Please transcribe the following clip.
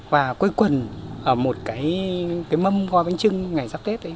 và quây quần ở một cái mâm hoa bánh trưng ngày sắp tết ấy